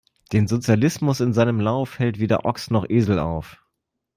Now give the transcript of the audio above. Den Sozialismus in seinem Lauf, hält weder Ochs' noch Esel auf!